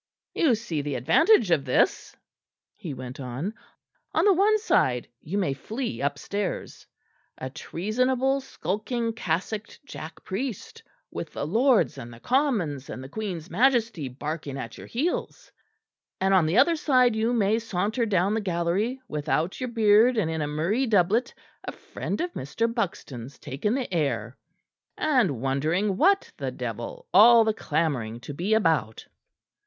"You see the advantage of this," he went on: "on the one side you may flee upstairs, a treasonable skulking cassocked jack priest with the lords and the commons and the Queen's Majesty barking at your heels; and on the other side you may saunter down the gallery without your beard and in a murrey doublet, a friend of Mr. Buxton's, taking the air and wondering what the devil all the clamouring be about."